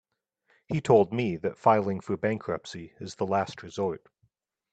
He told me that filing for bankruptcy is the last resort.